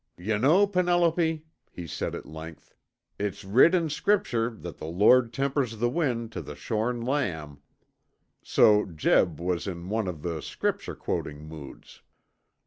"Yuh know, Penelope," he said at length, "it's writ' in Scripture that the Lord tempers the wind tuh the shorn lamb." So Jeb was in one of the Scripture quoting moods.